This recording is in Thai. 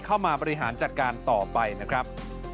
เข้ามาบริหารจัดการต่อไปนะครับ